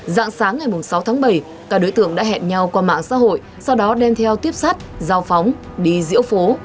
dạng sáng ngày sáu tháng bảy các đối tượng đã hẹn nhau qua mạng xã hội sau đó đem theo tuyếp sắt giao phóng đi diễu phố